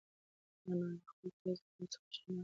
انا له خپل تېز عمل څخه پښېمانه وه.